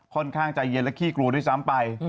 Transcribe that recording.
ค่อนข้างใจเย็นและขี้กลัวด้วยซ้ำไป